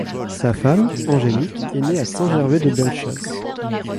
Sa femme, Angélique, est née à Saint-Gervais de Bellechasse.